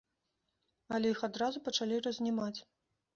Але іх адразу пачалі разнімаць.